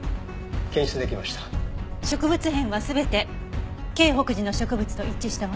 植物片は全て京北寺の植物と一致したわ。